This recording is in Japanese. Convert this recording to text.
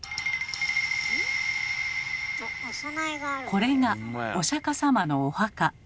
これがお釈様のお墓。